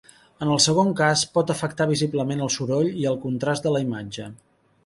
En el segon cas, pot afectar visiblement el soroll i el contrast de la imatge.